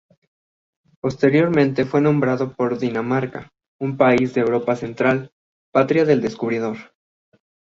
Posteriormente fue nombrado por Dinamarca, un país de Europa Central, patria del descubridor.